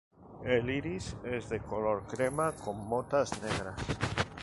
El iris es de color crema con motas negras.